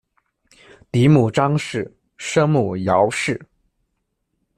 嫡母张氏；生母姚氏。